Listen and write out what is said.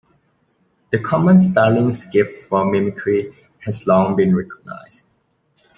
The common starling's gift for mimicry has long been recognised.